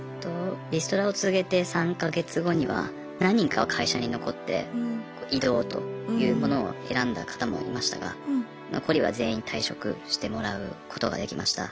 リストラを告げて３か月後には何人かは会社に残って異動というものを選んだ方もいましたが残りは全員退職してもらうことができました。